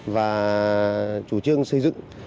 và chủ trương xây dựng